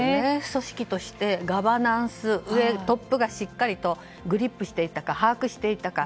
組織としてガバナンスそしてトップがしっかりとグリップしていたか把握していたか。